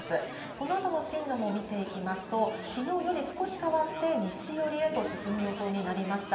このあとの進路も見ていきますと、きのうより少し変わって、西寄りへと進む予想になりました。